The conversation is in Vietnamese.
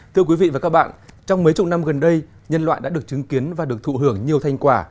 thưa quý vị và các bạn trong mấy chục năm gần đây nhân loại đã được chứng kiến và được thụ hưởng nhiều thành quả